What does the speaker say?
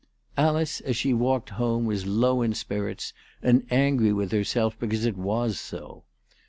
Alice, as she walked home, was low in spirits, and angry with herself because it was so.